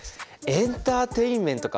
エンターテインメントか。